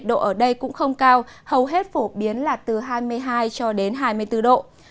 ở đây cũng không cao hầu hết phổ biến là từ hai mươi hai cho đến hai mươi bốn độ